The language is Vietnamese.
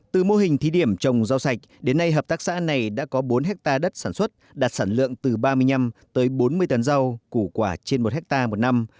từ mô hình thí điểm trồng rau sạch đến nay hợp tác xã này đã có bốn hectare đất sản xuất đạt sản lượng từ ba mươi năm tới bốn mươi tấn rau củ quả trên một hectare một năm